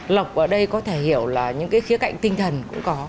lộc ở đây có thể hiểu là những cái khía cạnh tinh thần cũng có